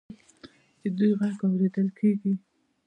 د دوی غږ اوریدل کیږي.